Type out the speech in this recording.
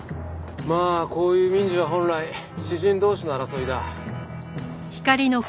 まあこういう民事は本来私人同士の争いだ。